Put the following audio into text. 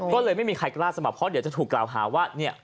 ก็เลยไม่มีใครกล้าสมัครเพราะเดี๋ยวจะถูกกล่าวหาว่าเนี่ย